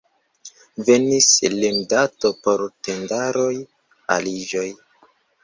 Venis limdato por tendaraj aliĝoj.